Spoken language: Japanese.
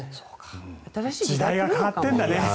時代は変わったんだね。